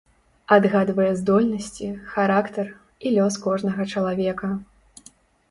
Адгадвае здольнасці, характар і лёс кожнага чалавека!